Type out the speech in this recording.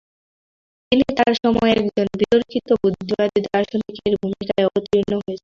তিনি তার সময়ে একজন বিতর্কিত বুদ্ধিবাদী দার্শনিকের ভূমিকায় অবতীর্ণ হয়েছেন।